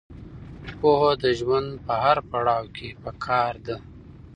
پوهه د ژوند په هر پړاو کې پکار ده.